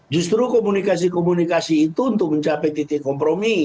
justru koalisi perubahan ini saya rasa tidak cukup kompromi